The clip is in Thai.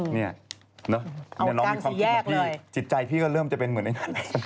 เนี่ยน้องมีความคิดบอกพี่จิตใจพี่ก็เริ่มจะเป็นเหมือนไอ้นั้น